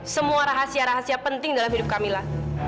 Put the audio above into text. semua rahasia rahasia penting dalam hidup kamila